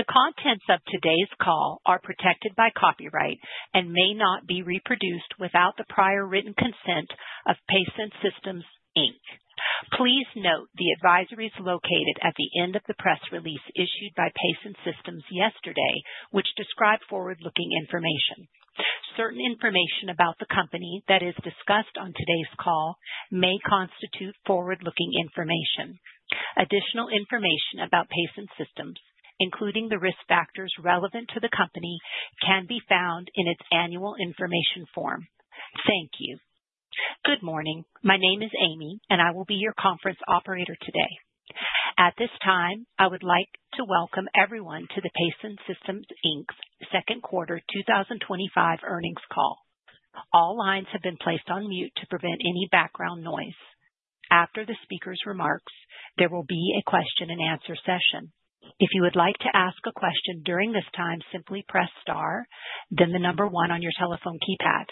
The contents of today's call are protected by copyright and may not be reproduced without the prior written consent of Pason Systems Inc. Please note the advisories located at the end of the press release issued by Pason Systems yesterday, which describe forward-looking information. Certain information about the company that is discussed on today's call may constitute forward-looking information. Additional information about Pason Systems, including the risk factors relevant to the company, can be found in its annual information form. Thank you. Good morning. My name is Amy, and I will be your conference operator today. At this time, I would like to welcome everyone to the Pason Systems Inc. Second Quarter 2025 Earnings Call. All lines have been placed on mute to prevent any background noise. After the speaker's remarks, there will be a question and answer session. If you would like to ask a question during this time, simply press star, then the number one on your telephone keypad.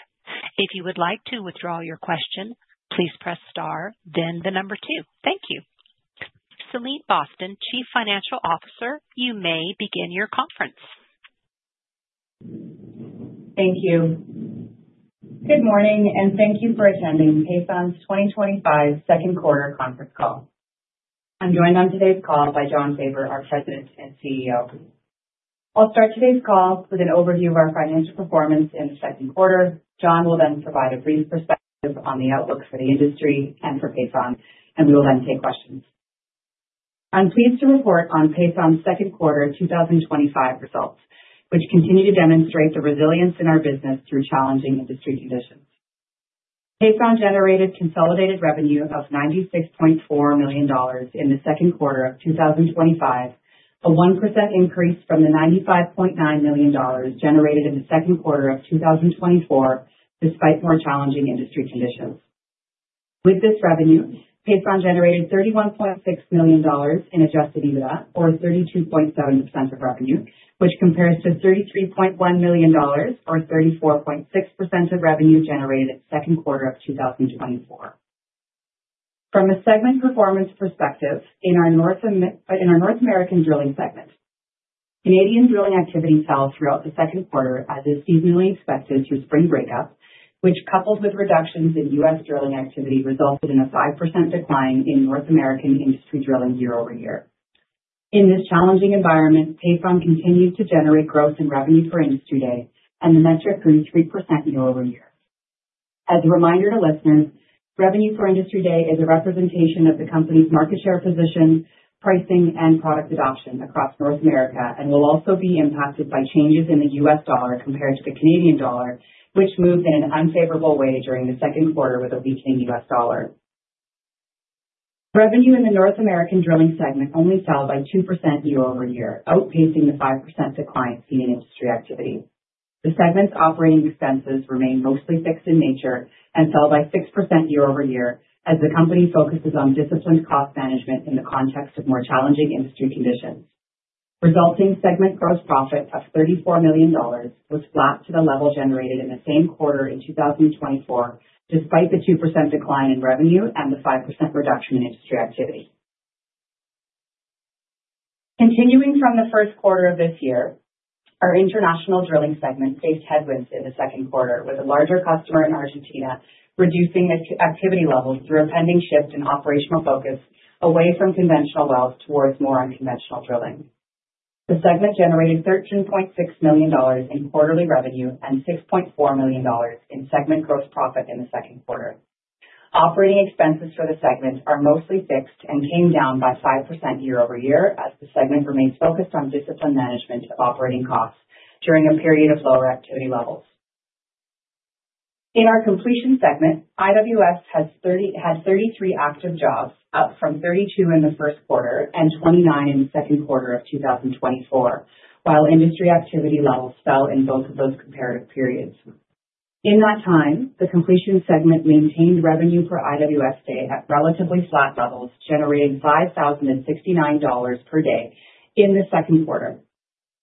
If you would like to withdraw your question, please press star, then the number two. Thank you. Celine Boston, Chief Financial Officer, you may begin your conference. Thank you. Good morning, and thank you for attending Pason's 2025 Second Quarter Conference Call. I'm joined on today's call by Jon Faber, our President and CEO. I'll start today's call with an overview of our financial performance in the second quarter. Jon will then provide a brief perspective on the outlook for the industry and for Pason, and we will then take questions. I'm pleased to report on Pason's Second Quarter 2025 Results, which continue to demonstrate the resilience in our business through challenging industry conditions. Pason generated consolidated revenue of $96.4 million in the second quarter of 2025, a 1% increase from the $95.9 million generated in the second quarter of 2024, despite more challenging industry conditions. With this revenue, Pason generated $31.6 million in adjusted EBITDA, or 32.7% of revenue, which compares to $33.1 million, or 34.6% of revenue generated in the second quarter of 2024. From a segment performance perspective, in our North American drilling segment, Canadian drilling activity fell throughout the second quarter as is easily expected through spring breakup, which coupled with reductions in U.S. drilling activity resulted in a 5% decline in North American industry drilling year-over-year. In this challenging environment, Pason Systems Inc. continues to generate growth in revenue per Industry Day, and the metric grew 3% year-over-year. As a reminder to listeners, revenue per Industry Day is a representation of the company's market share position, pricing, and product adoption across North America, and will also be impacted by changes in the U.S. dollar compared to the Canadian dollar, which moved in an unfavorable way during the second quarter with a weakening U.S. dollar. Revenue in the North American drilling segment only fell by 2% year-over-year, outpacing the 5% decline seen in industry activity. The segment's operating expenses remain mostly fixed in nature and fell by 6% year-over-year as the company focuses on disciplined cost management in the context of more challenging industry conditions. Resulting segment gross profit of $34 million was flat to the level generated in the same quarter in 2024, despite the 2% decline in revenue and the 5% reduction in industry activity. Continuing from the first quarter of this year, our international drilling segment faced headwinds in the second quarter, with a larger customer in Argentina reducing activity levels through a pending shift in operational focus away from conventional wells towards more unconventional drilling. The segment generated $13.6 million in quarterly revenue and $6.4 million in segment gross profit in the second quarter. Operating expenses for the segment are mostly fixed and came down by 5% year-over-year as the segment remains focused on discipline management and operating costs during a period of lower activity levels. In our completions segment, IWS had 33 active jobs, up from 32 in the first quarter and 29 in the second quarter of 2024, while industry activity levels fell in both of those comparative periods. In that time, the completions segment maintained revenue for IWS Day at relatively flat levels, generating $5,069 per day in the second quarter.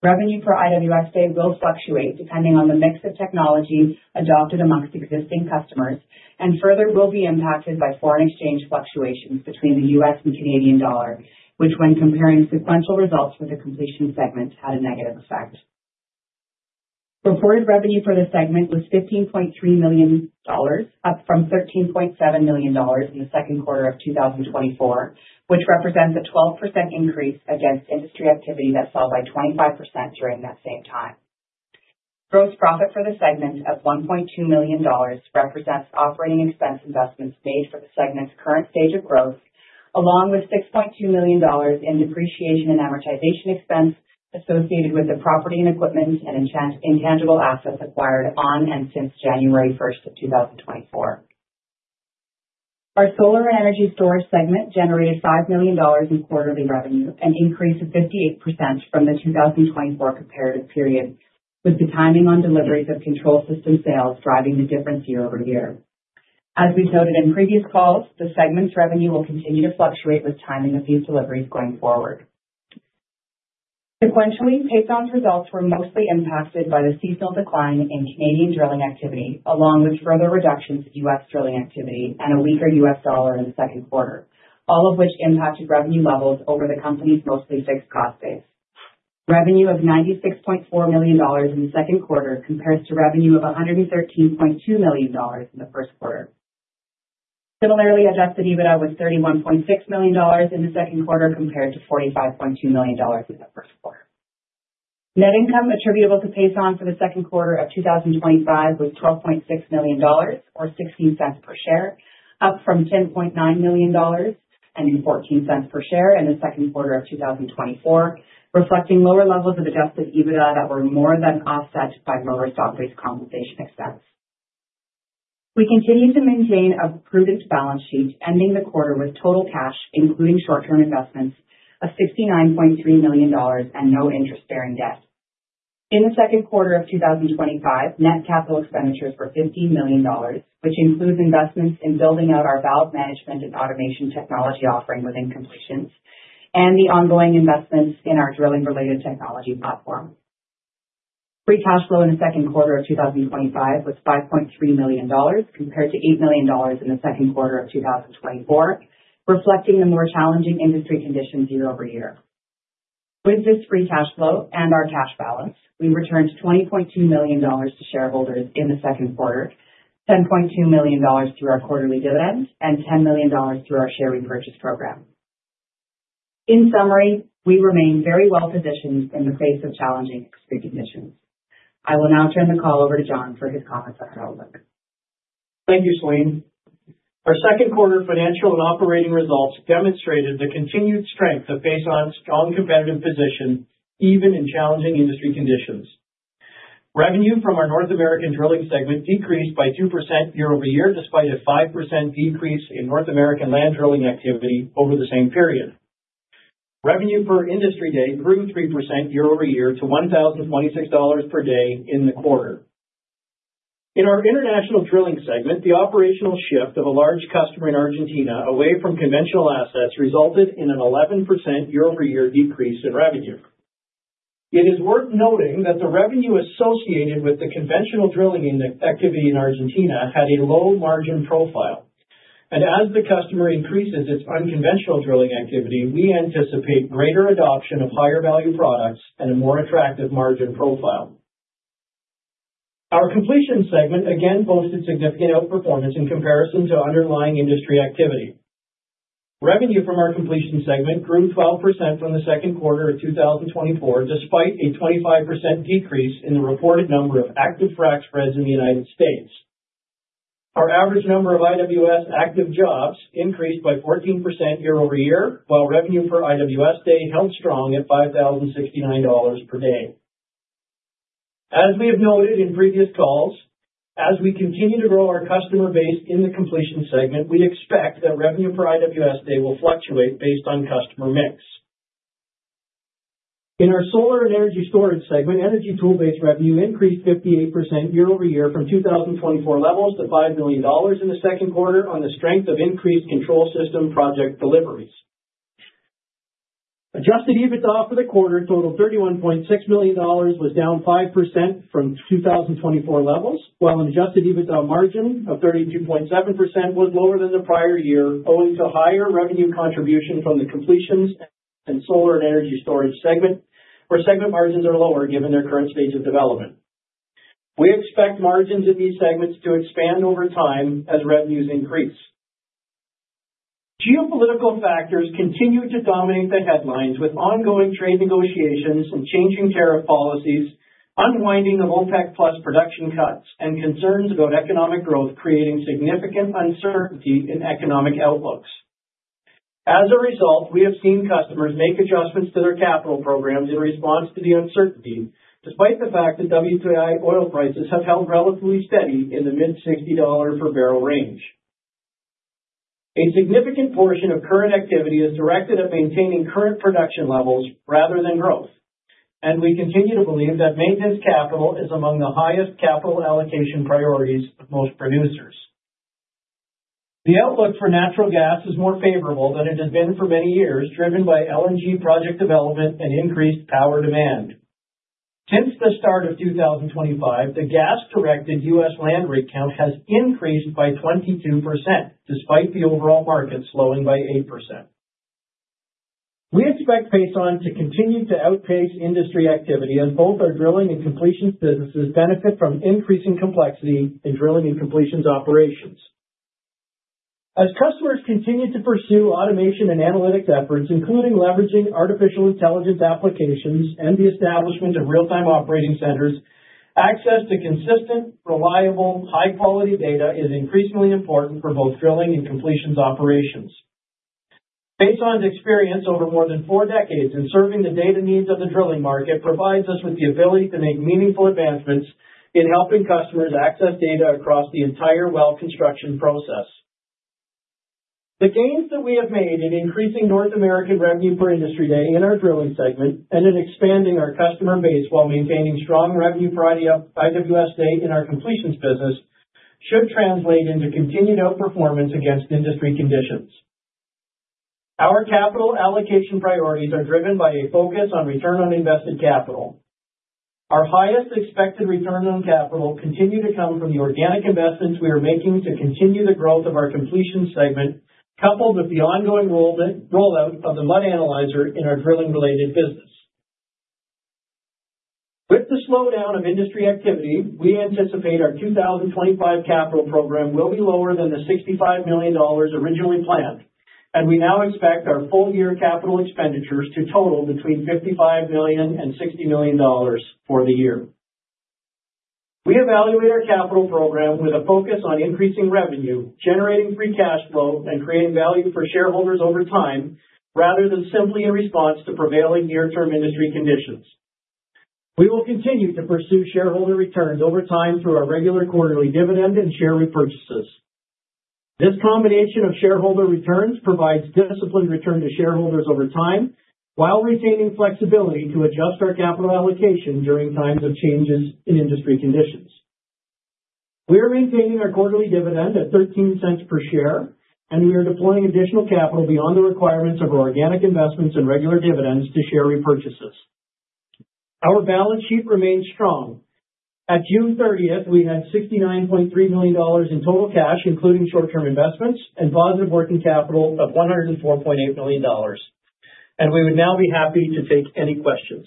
Revenue for IWS Day will fluctuate depending on the mix of technologies adopted amongst existing customers and further will be impacted by foreign exchange fluctuations between the U.S. and Canadian dollar, which when comparing sequential results for the completions segment had a negative effect. Reported revenue for the segment was $15.3 million, up from $13.7 million in the second quarter of 2024, which represents a 12% increase against industry activity that fell by 25% during that same time. Gross profit for the segment of $1.2 million represents operating expense investments made for the segment's current stage of growth, along with $6.2 million in depreciation and amortization expense associated with the property and equipment and intangible assets acquired on and since January 1st, 2024. Our solar and energy storage segment generated $5 million in quarterly revenue, an increase of 58% from the 2024 comparative period, with the timing on deliveries of control system sales driving the difference year-over-year. As we've noted in previous calls, the segment's revenue will continue to fluctuate with timing of these deliveries going forward. Sequentially, Pason Systems Inc.'s results were mostly impacted by the seasonal decline in Canadian drilling activity, along with further reductions in U.S. drilling activity and a weaker U.S. dollar in the second quarter, all of which impacted revenue levels over the company's mostly fixed cost base. Revenue of $96.4 million in the second quarter compares to revenue of $113.2 million in the first quarter. Similarly, adjusted EBITDA was $31.6 million in the second quarter compared to $45.2 million in the first quarter. Net income attributable to Pason for the second quarter of 2025 was $12.6 million, or $0.16 per share, up from $10.9 million and $0.14 per share in the second quarter of 2024, reflecting lower levels of adjusted EBITDA that were more than offset by lower stock-based compensation expense. We continued to maintain a prudent balance sheet, ending the quarter with total cash, including short-term investments, of $69.3 million and no interest-bearing debt. In the second quarter of 2025, net capital expenditures were $15 million, which includes investments in building out our valve management and automation technology offering within completions and the ongoing investments in our drilling-related technology platform. Free cash flow in the second quarter of 2025 was $5.3 million compared to $8 million in the second quarter of 2024, reflecting the more challenging industry conditions year-over-year. With this free cash flow and our cash balance, we returned $20.2 million to shareholders in the second quarter, $10.2 million through our quarterly dividends, and $10 million through our share repurchase program. In summary, we remain very well positioned in the face of challenging industry conditions. I will now turn the call over to Jon for his conference overall. Thank you, Celine. Our second quarter financial and operating results demonstrated the continued strength of Pason's strong competitive position, even in challenging industry conditions. Revenue from our North American drilling segment decreased by 2% year-over-year, despite a 5% decrease in North American land drilling activity over the same period. Revenue per Industry Day grew 3% year-over-year to $1,026 per day in the quarter. In our international drilling segment, the operational shift of a large customer in Argentina away from conventional assets resulted in an 11% year-over-year decrease in revenue. It is worth noting that the revenue associated with the conventional drilling activity in Argentina had a low margin profile. As the customer increases its unconventional drilling activity, we anticipate greater adoption of higher-value products and a more attractive margin profile. Our completions segment again boasted significant outperformance in comparison to underlying industry activity. Revenue from our completions segment grew 12% from the second quarter of 2024, despite a 25% decrease in the reported number of active frac spreads in the U.S. Our average number of IWS active jobs increased by 14% year-over-year, while revenue per IWS Day held strong at $5,069 per day. As we have noted in previous calls, as we continue to grow our customer base in the completions segment, we expect that revenue per IWS Day will fluctuate based on customer mix. In our solar and energy storage segment, Energy Toolbase revenue increased 58% year-over-year from 2024 levels to $5 million in the second quarter on the strength of increased control system project deliveries. Adjusted EBITDA for the quarter totaled $31.6 million and was down 5% from 2024 levels, while an adjusted EBITDA margin of 32.7% was lower than the prior year, owing to higher revenue contribution from the completions and solar and energy storage segment, where segment margins are lower given their current stage of development. We expect margins of these segments to expand over time as revenues increase. Geopolitical factors continue to dominate the headlines with ongoing trade negotiations and changing tariff policies, unwinding of OPEC Plus production cuts, and concerns about economic growth creating significant uncertainty in economic outlooks. As a result, we have seen customers make adjustments to their capital programs in response to the uncertainty, despite the fact that WTI oil prices have held relatively steady in the mid $60 per barrel range. A significant portion of current activity is directed at maintaining current production levels rather than growth, and we continue to believe that maintenance capital is among the highest capital allocation priorities of most producers. The outlook for natural gas is more favorable than it has been for many years, driven by LNG development and increased power demand. Since the start of 2025, the gas-corrected U.S. land rig count has increased by 22%, despite the overall market slowing by 8%. We expect Pason to continue to outpace industry activity, and both our drilling and completions businesses benefit from increasing complexity in drilling and completions operations. As customers continue to pursue automation and analytics efforts, including leveraging artificial intelligence applications and the establishment of real-time operating centers, access to consistent, reliable, high-quality data is increasingly important for both drilling and completions operations. Pason's experience over more than four decades in serving the data needs of the drilling market provides us with the ability to make meaningful advancements in helping customers access data across the entire well construction process. The gains that we have made in increasing North American revenue per Industry Day in our drilling segment and in expanding our customer base while maintaining strong revenue per IWS day in our completions business should translate into continued outperformance against industry conditions. Our capital allocation priorities are driven by a focus on return on invested capital. Our highest expected return on capital continues to come from the organic investments we are making to continue the growth of our completions segment, coupled with the ongoing rollout of the MUD Analyzer in our drilling-related business. With the slowdown of industry activity, we anticipate our 2025 capital program will be lower than the $65 million originally planned, and we now expect our full-year capital expenditures to total between $55 million and $60 million for the year. We evaluate our capital program with a focus on increasing revenue, generating free cash flow, and creating value for shareholders over time rather than simply a response to prevailing near-term industry conditions. We will continue to pursue shareholder returns over time through our regular quarterly dividend and share repurchases. This combination of shareholder returns provides disciplined return to shareholders over time while retaining flexibility to adjust our capital allocation during times of changes in industry conditions. We are maintaining our quarterly dividend at $0.13 per share, and we are deploying additional capital beyond the requirements of our organic investments and regular dividends to share repurchases. Our balance sheet remains strong. At June 30th, we had $69.3 million in total cash, including short-term investments, and positive working capital of $104.8 million, and we would now be happy to take any questions.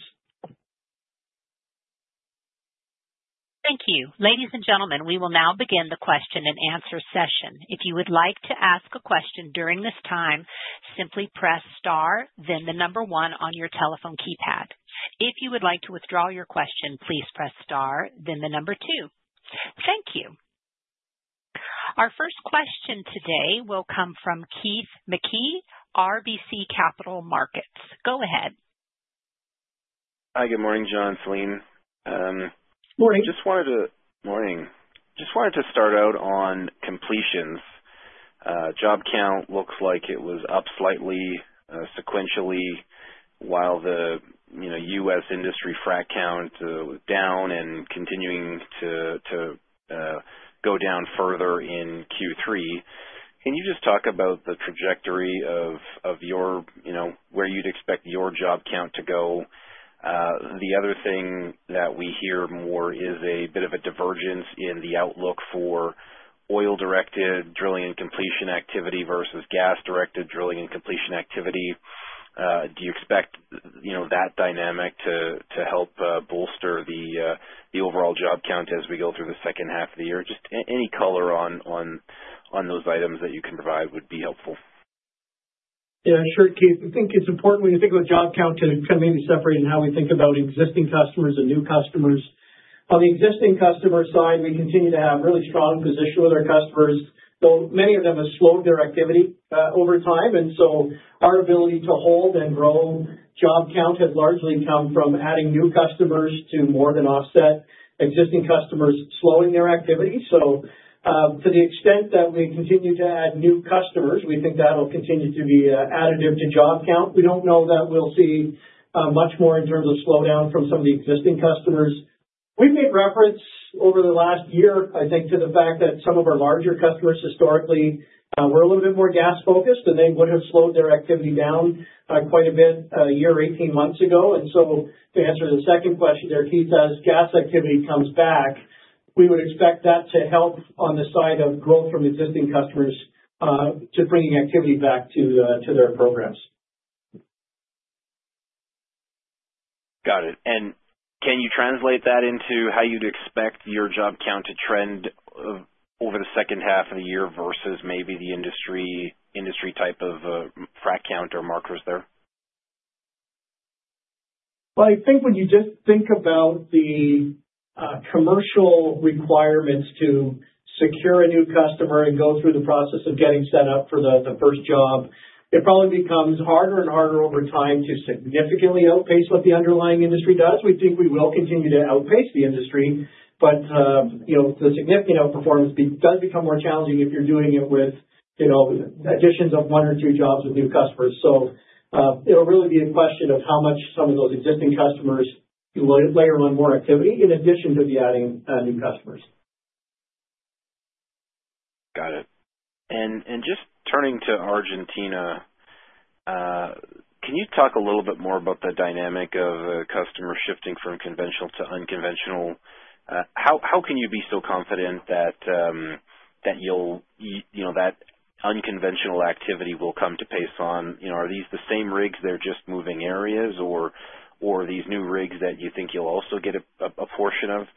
Thank you. Ladies and gentlemen, we will now begin the question and answer session. If you would like to ask a question during this time, simply press star, then the number one on your telephone keypad. If you would like to withdraw your question, please press star, then the number two. Thank you. Our first question today will come from Keith Mackey, RBC Capital Markets. Go ahead. Hi, good morning, Jon, Celine. Morning. Morning. I just wanted to start out on completions. Job count looks like it was up slightly sequentially while the U.S. industry frac count was down and continuing to go down further in Q3. Can you just talk about the trajectory of where you'd expect your job count to go? The other thing that we hear more is a bit of a divergence in the outlook for oil-directed drilling and completion activity versus gas-directed drilling and completion activity. Do you expect that dynamic to help bolster the overall job count as we go through the second half of the year? Just any color on those items that you can provide would be helpful. Yeah, sure, Keith. I think it's important when you think about job count to maybe separate how we think about existing customers and new customers. On the existing customer side, we continue to have a really strong position with our customers, though many of them have slowed their activity over time. Our ability to hold and grow job count has largely come from adding new customers to more than offset existing customers slowing their activity. To the extent that we continue to add new customers, we think that'll continue to be additive to job count. We don't know that we'll see much more in terms of slowdown from some of the existing customers. We've made reference over the last year, I think, to the fact that some of our larger customers historically were a little bit more gas-focused, and they would have slowed their activity down quite a bit a year or 18 months ago. To answer the second question there, Keith, as gas activity comes back, we would expect that to help on the side of growth from existing customers to bringing activity back to their programs. Got it. Can you translate that into how you'd expect your job count to trend over the second half of the year versus maybe the industry type of frac count or markers there? I think when you just think about the commercial requirements to secure a new customer and go through the process of getting set up for the first job, it probably becomes harder and harder over time to significantly outpace what the underlying industry does. We think we will continue to outpace the industry, but the significant outperformance does become more challenging if you're doing it with additions of one or two jobs with new customers. It will really be a question of how much some of those existing customers layer on more activity in addition to adding new customers. Got it. Just turning to Argentina, can you talk a little bit more about the dynamic of a customer shifting from conventional to unconventional? How can you be so confident that you'll, you know, that unconventional activity will come to Pason? You know, are these the same rigs? They're just moving areas, or are these new rigs that you think you'll also get a portion of?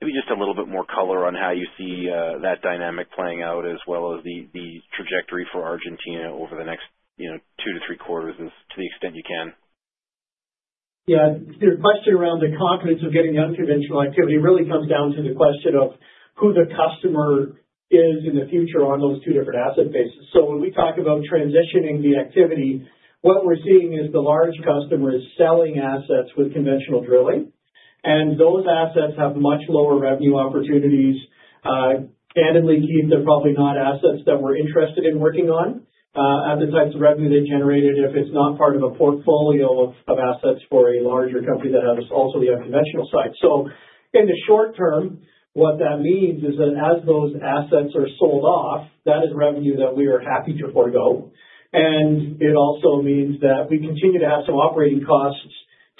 Maybe just a little bit more color on how you see that dynamic playing out as well as the trajectory for Argentina over the next, you know, two to three quarters to the extent you can. Yeah, the question around the confidence of getting the unconventional activity really comes down to the question of who the customer is in the future on those two different asset bases. When we talk about transitioning the activity, what we're seeing is the large customers selling assets with conventional drilling, and those assets have much lower revenue opportunities. Addedly, these are probably not assets that we're interested in working on at the types of revenue they generated if it's not part of a portfolio of assets for a larger company that owns also the unconventional side. In the short term, what that means is that as those assets are sold off, that is revenue that we are happy to forgo. It also means that we continue to have some operating costs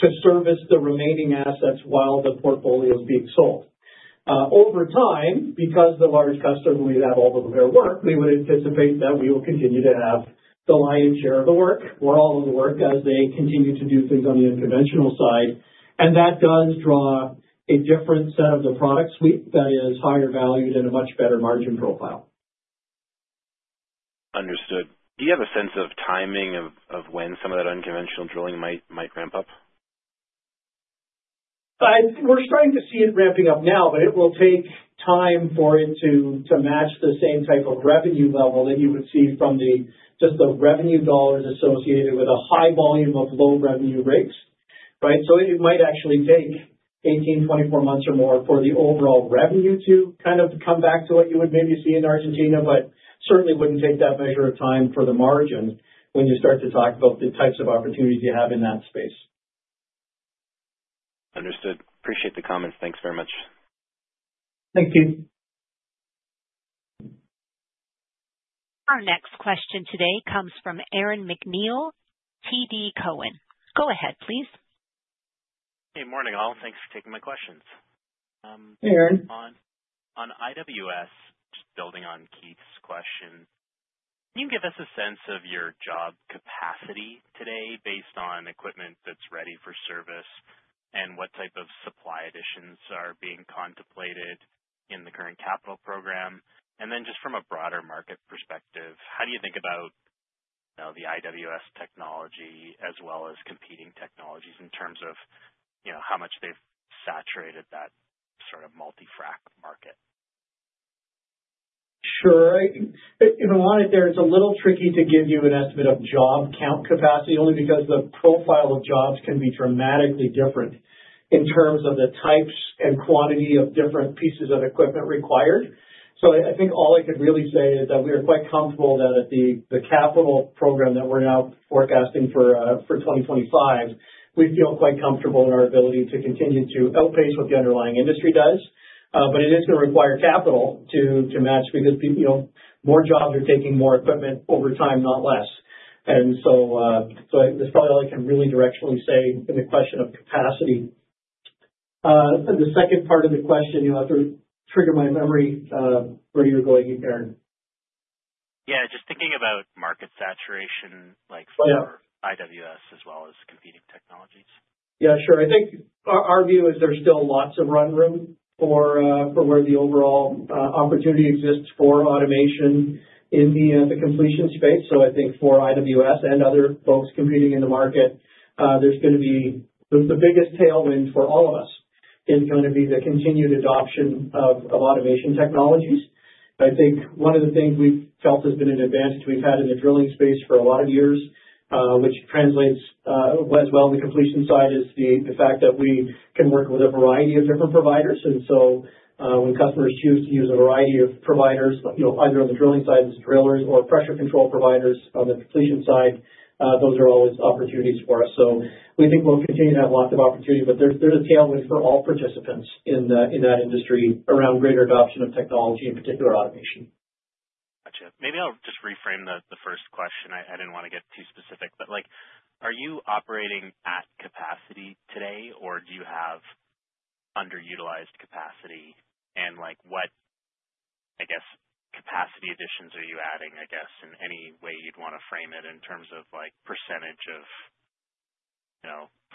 to service the remaining assets while the portfolio is being sold. Over time, because the large customers will have all of their work, we would anticipate that we will continue to have the lion's share of the work, we're all in the work as they continue to do things on the unconventional side. That does draw a different set of the product suite that is higher valued and a much better margin profile. Understood. Do you have a sense of timing of when some of that unconventional drilling might ramp up? I think we're starting to see it ramping up now, but it will take time for it to match the same type of revenue level that you would see from just the revenue dollars associated with a high volume of low revenue rigs, right? You might actually take 18-24 months or more for the overall revenue to kind of come back to what you would maybe see in Argentina, but certainly wouldn't take that measure of time for the margin when you start to talk about the types of opportunities you have in that space. Understood. Appreciate the comments. Thanks very much. Thanks, Keith. Our next question today comes from Aaron MacNeil, TD Cowen. Go ahead, please. Hey, morning. Thanks for taking my questions. Aaron. On IWS, just building on Keith's question, can you give us a sense of your job capacity today based on equipment that's ready for service and what type of supply additions are being contemplated in the current capital program? From a broader market perspective, how do you think about the IWS technology as well as competing technologies in terms of how much they've saturated that sort of multi-fract market? Sure. If I want it, it's a little tricky to give you an estimate of job count capacity only because the profile of jobs can be dramatically different in terms of the types and quantity of different pieces of equipment required. I think all I could really say is that we are quite comfortable that at the capital program that we're now forecasting for 2025, we feel quite comfortable in our ability to continue to outpace what the underlying industry does. It is going to require capital to match because more jobs are taking more equipment over time, not less. That's probably all I can really directionally say in the question of capacity. The second part of the question, you'll have to trigger my memory. Where are you going again? Yeah, just thinking about market saturation for IWS as well as competing technologies. Yeah, sure. I think our view is there's still lots of run room for where the overall opportunity exists for automation in the completions space. I think for IWS and other folks competing in the market, the biggest tailwind for all of us is going to be the continued adoption of automation technologies. One of the things we've felt has been an advantage we've had in the drilling space for a lot of years, which translates as well on the completion side, is the fact that we can work with a variety of different providers. When customers choose to use a variety of providers, either on the drilling side as drillers or pressure control providers on the completion side, those are always opportunities for us. We think we'll continue to have lots of opportunity, but the tailwind for all participants in that industry is around greater adoption of technology, in particular automation. Gotcha. Maybe I'll just reframe the first question. I didn't want to get too specific, but are you operating at capacity today, or do you have underutilized capacity? What capacity additions are you adding, in any way you'd want to frame it in terms of percentage of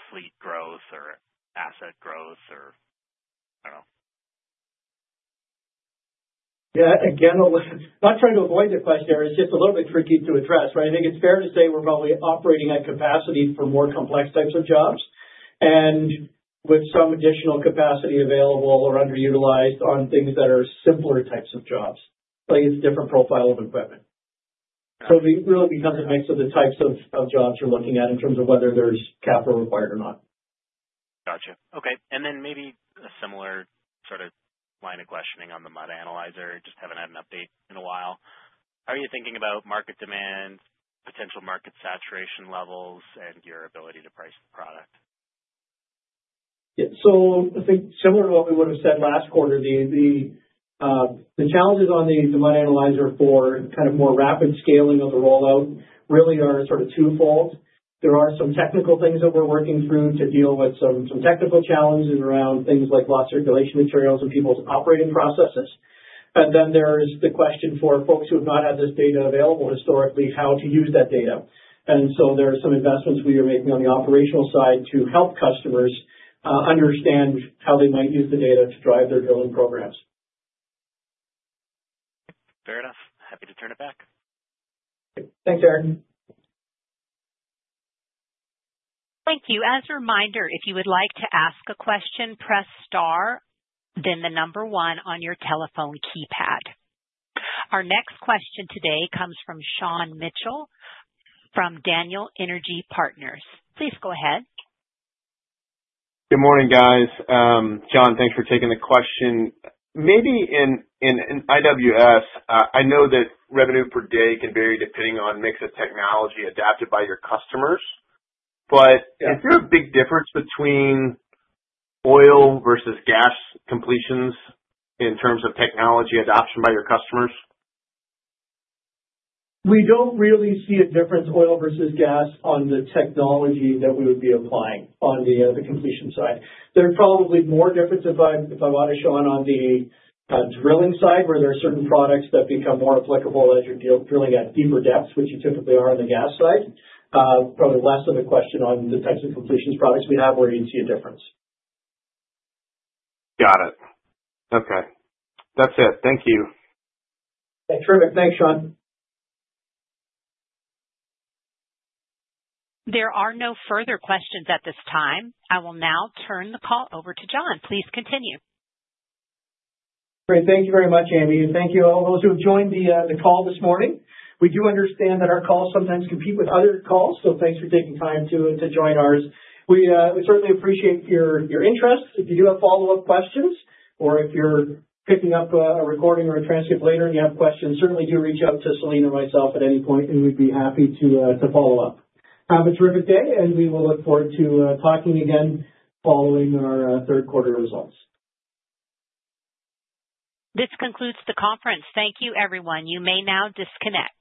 fleet growth or asset growth or I don't know. Yeah, I'm not trying to avoid the question. It's just a little bit tricky to address, right? I think it's fair to say we're probably operating at capacity for more complex types of jobs, with some additional capacity available or underutilized on things that are simpler types of jobs, like a different profile of equipment. It really becomes a mix of the types of jobs you're looking at in terms of whether there's capital required or not. Gotcha. Okay. Maybe a similar sort of line of questioning on the MUD Analyzer, just haven't had an update in a while. How are you thinking about market demand, potential market saturation levels, and your ability to price the product? Yeah. I think similar to what we would have said last quarter, the challenges on the MUD Analyzer for kind of more rapid scaling of the rollout really are sort of twofold. There are some technical things that we're working through to deal with some technical challenges around things like lost circulation materials and people's operating processes. There is the question for folks who have not had this data available historically, how to use that data. There are some investments we are making on the operational side to help customers understand how they might use the data to drive their drilling programs. Fair enough. Happy to turn it back. Thanks, Aaron. Thank you. As a reminder, if you would like to ask a question, press star, then the number one on your telephone keypad. Our next question today comes from Sean Mitchell from Daniel Energy Partners. Please go ahead. Good morning, guys. Jon, thanks for taking the question. Maybe in IWS, I know that revenue per day can vary depending on the mix of technology adopted by your customers. Is there a big difference between oil versus gas completions in terms of technology adoption by your customers? We don't really see a difference in oil versus gas on the technology that we would be applying on the completion side. There's probably more difference if I want to show on the drilling side, where there are certain products that become more applicable as you're drilling at deeper depths, which you typically are on the gas side. Probably less of a question on the types of completions products we have where you'd see a difference. Got it. Okay, that's it. Thank you. That's terrific. Thanks, Jon. There are no further questions at this time. I will now turn the call over to Jon. Please continue. Great. Thank you very much, Amy. Thank you to all those who have joined the call this morning. We do understand that our calls sometimes compete with other calls, so thanks for taking time to join ours. We certainly appreciate your interest. If you do have follow-up questions, or if you're picking up a recording or a transcript later and you have questions, certainly do reach out to Celine or myself at any point, and we'd be happy to follow up. Have a terrific day, and we will look forward to talking again following our third quarter results. This concludes the conference. Thank you, everyone. You may now disconnect.